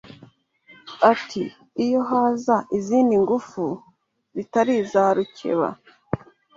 Ati “Iyo haza izindi ngufu zitari iza Rukeba